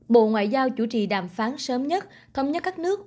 bộ ngoại giao chủ trì đàm phán sớm nhất thống nhất các nước